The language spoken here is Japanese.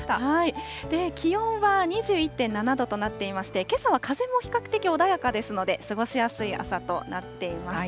気温は２１．７度となっていまして、けさは風も比較的穏やかですので、過ごしやすい朝となっています。